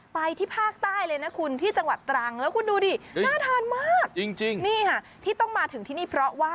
ไปที่ภาคใต้เลยนะคุณที่จังหวัดตรังแล้วคุณดูดิน่าทานมากจริงนี่ค่ะที่ต้องมาถึงที่นี่เพราะว่า